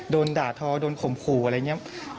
โดนด่าทอโดนข่มขู่อะไรอย่างนี้